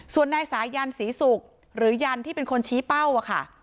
ส่วนนายสายันศรีศุกร์หรือยันที่เป็นคนชี้เป้าค่ะ